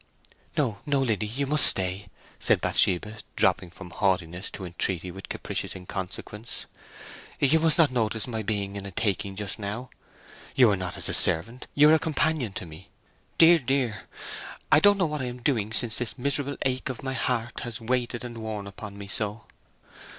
"No, no, Liddy; you must stay!" said Bathsheba, dropping from haughtiness to entreaty with capricious inconsequence. "You must not notice my being in a taking just now. You are not as a servant—you are a companion to me. Dear, dear—I don't know what I am doing since this miserable ache of my heart has weighted and worn upon me so!